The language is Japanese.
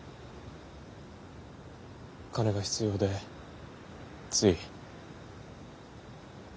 金が必要でつい。